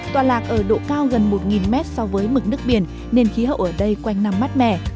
toà lạc ở độ cao gần một m so với mực nước biển nên khí hậu ở đây quanh năm mắt mẻ